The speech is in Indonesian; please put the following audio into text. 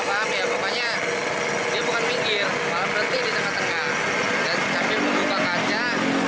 saya tidak paham ya pokoknya dia bukan pinggir malam berhenti di tengah tengah